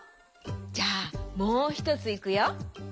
じゃあもうひとついくよ。